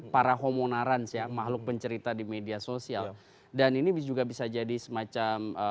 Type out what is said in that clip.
para homo narans ya your mahluk pencerita di media sosial dan ini juga bisa jadi semacam